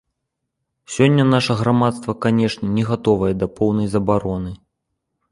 Сёння наша грамадства, канешне, не гатовае да поўнай забароны.